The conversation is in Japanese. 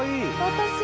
私！